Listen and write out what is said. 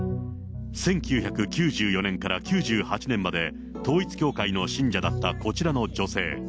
１９９４年から９８年まで、統一教会の信者だったこちらの女性。